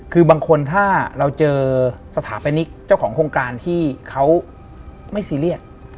คือบางคนถ้าเราเจอสถาปนิกเจ้าของโครงการที่เขาไม่ซีเรียส